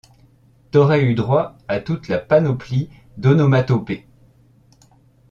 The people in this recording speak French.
T'aurais eu droit à toute la panoplie d'onomatopées.